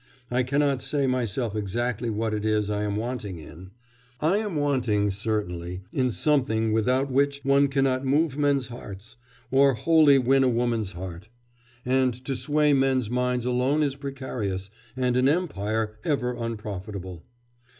I cannot say myself exactly what it is I am wanting in.... I am wanting, certainly, in something without which one cannot move men's hearts, or wholly win a woman's heart; and to sway men's minds alone is precarious, and an empire ever unprofitable.